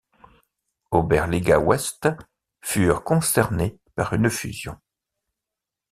Oberliga Ouest furent concernés par une fusion.